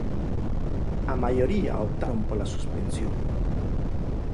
A maioría optaron pola suspensión.